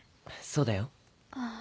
そうだよ。ああ。